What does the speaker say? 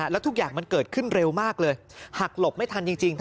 แล้วทุกอย่างมันเกิดขึ้นเร็วมากเลยหักหลบไม่ทันจริง